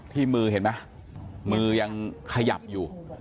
ที่มือเห็นไหมมือยังขยับอยู่